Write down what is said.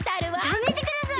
やめてください！